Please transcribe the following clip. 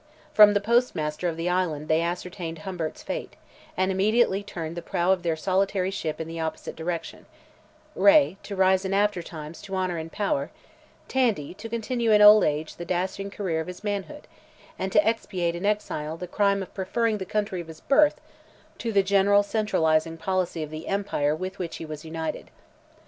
From the postmaster of the island they ascertained Humbert's fate, and immediately turned the prow of their solitary ship in the opposite direction; Reay, to rise in after times to honour and power; Tandy, to continue in old age the dashing career of his manhood, and to expiate in exile the crime of preferring the country of his birth to the general centralizing policy of the empire with which he was united.